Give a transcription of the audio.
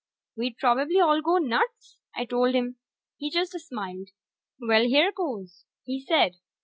"We'd probably all go nuts!" I told him. He just smiled. "Well, here goes," he said.